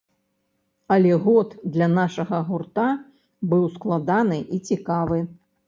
Але год для нашага гурта быў складаны і цікавы.